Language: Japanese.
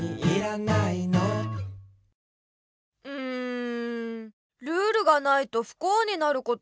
うんルールがないとふこうになることもあるんだね。